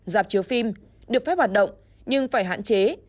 dạp chiếu phim được phép hoạt động nhưng phải hạn chế